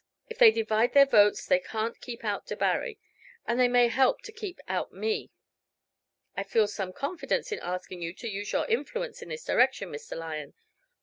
If they divide their votes they can't keep out Debarry, and they may help to keep out me. I feel some confidence in asking you to use your influence in this direction, Mr. Lyon.